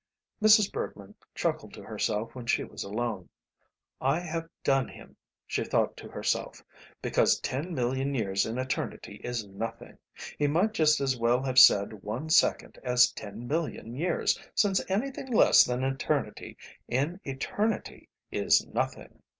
Mrs. Bergmann chuckled to herself when she was alone. "I have done him," she thought to herself, "because ten million years in eternity is nothing. He might just as well have said one second as ten million years, since anything less than eternity in eternity is nothing.